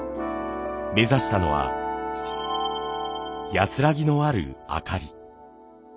目指したのは安らぎのある灯り。